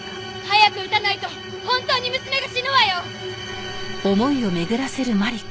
早く撃たないと本当に娘が死ぬわよ！